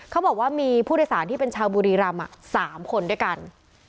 เขาบอกว่ามีผู้โดยสารที่เป็นชาวบุรีรำ๓คนด้วยกัน